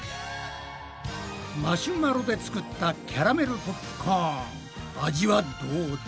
マシュマロで作ったキャラメルポップコーン味はどうだ？